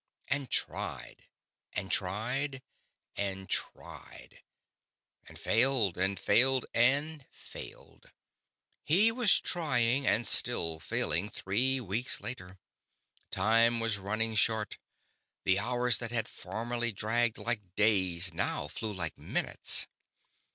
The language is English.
And tried and tried and tried. And failed and failed and failed. He was still trying and still failing three weeks later. Time was running short; the hours that had formerly dragged like days now flew like minutes.